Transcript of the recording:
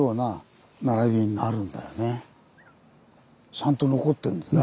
ちゃんと残ってるんですね。